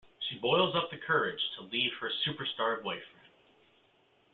She boils up the courage to leave her superstar boyfriend.